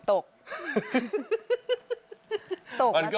ตกมาสองวันแล้ว